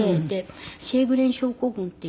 シェーグレン症候群っていう。